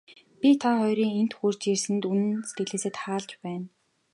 Би та хоёрын энд хүрч ирсэнд үнэн сэтгэлээсээ таалж байна.